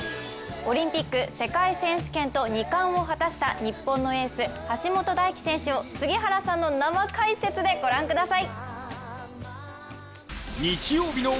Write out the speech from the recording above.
オリンピック、世界選手権と２冠を果たした日本のエース橋本大輝選手を杉原さんの生解説でご覧ください。